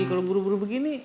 kalau buru buru begini